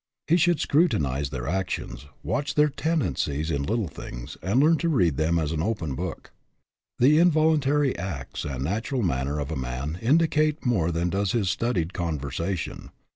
He should scrutinize their actions, watch their tendencies in little things, and learn to read them as an open book. The involuntary acts and natural manner of a man indicate more than does his studied conversation.